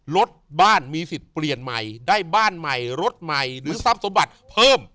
รถบ้านมีสิทธิ์เปลี่ยนใหม่ได้บ้านใหม่รถใหม่หรือทรัพย์สมบัติเพิ่ม